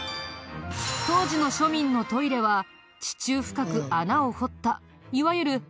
当時の庶民のトイレは地中深く穴を掘ったいわゆるぼっとんスタイル。